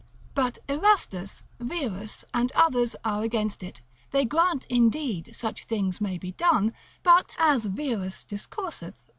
But Erastus, Wierus, and others are against it; they grant indeed such things may be done, but (as Wierus discourseth, lib.